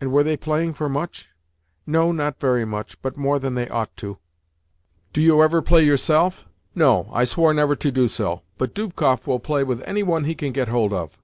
"And were they playing for much?" "No, not very much, but more than they ought to." "Do you ever play yourself?" "No; I swore never to do so; but Dubkoff will play with any one he can get hold of."